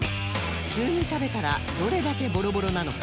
普通に食べたらどれだけボロボロなのか？